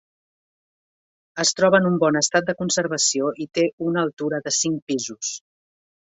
Es troba en un bon estat de conservació i té una altura de cinc pisos.